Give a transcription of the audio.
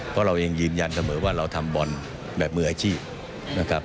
เพราะเราเองยืนยันเสมอว่าเราทำบอลแบบมืออาชีพนะครับ